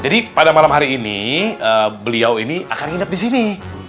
jadi pada malam hari ini beliau ini akan nginep di sini